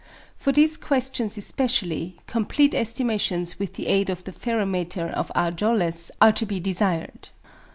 For these questions especially, complete estimations with the aid of the ferrometer of A. Jolles are to be desired.